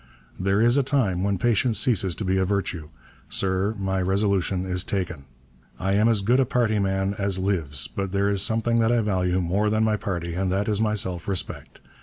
There is a time when patience ceases to be a virtue. Sir, my resolution is taken. I am as good a party man as lives, but there is something that I value more than my party, and that is my self respect.